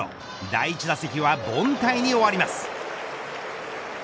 第１打席は凡退に終わります。